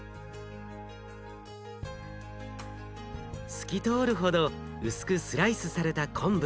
透き通るほど薄くスライスされた昆布。